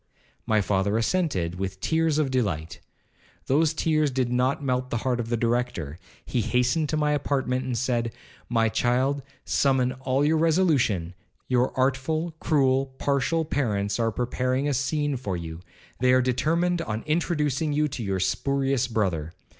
My father assented with tears of delight. Those tears did not melt the heart of the Director; he hastened to my apartment, and said, 'My child, summon all your resolution, your artful, cruel, partial parents, are preparing a scene for you,—they are determined on introducing you to your spurious brother.'